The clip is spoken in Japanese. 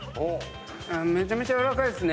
めちゃめちゃ軟らかいですね。